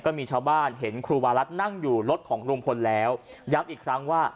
ก็มีชาวบ้านเห็นครูวารัฐนั่งอยู่รถของลุงพลแล้วย้ำอีกครั้งว่า